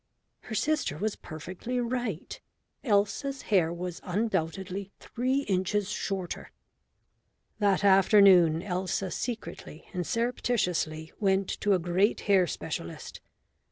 Her sister was perfectly right. Elsa's hair was undoubtedly three inches shorter. That afternoon Elsa secretly and surreptitiously went to a great hair specialist.